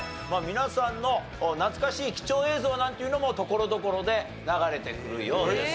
皆さんの懐かしい貴重映像なんていうのもところどころで流れてくるようです。